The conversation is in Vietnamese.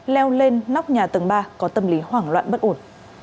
leo lên nóc nhà tầng ba có tâm lý hoảng loạn bất ổn